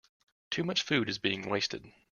Too much food is being wasted.